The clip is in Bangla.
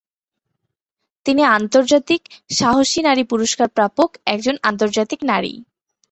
তিনি আন্তর্জাতিক সাহসী নারী পুরস্কার প্রাপক একজন আন্তর্জাতিক নারী।